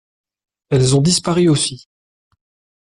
Elles ont disparu aussi.